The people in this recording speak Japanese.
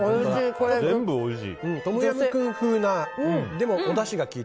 全部おいしい。